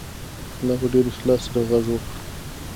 ملا په ډېر اخلاص سره غږ وکړ.